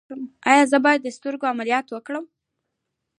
ایا زه باید د سترګو عملیات وکړم؟